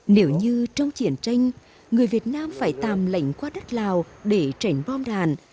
nếu như trong chiến tranh người việt nam phải tàm lệnh qua đất lào để tránh bom ràn